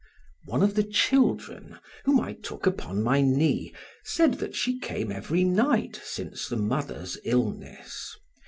One of the children, whom I took upon my knee, said that she came every night since the mother's illness.